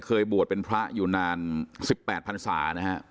เคยบวชเป็นพระอยู่นานสิบแอดพันธ์สานะฮะ